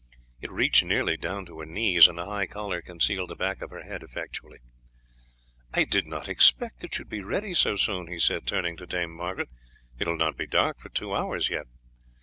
It reached nearly down to her knees, and the high collar concealed the back of her head effectually. "I did not expect that you would be ready so soon," he said, turning to Dame Margaret; "it will not be dark for two hours yet."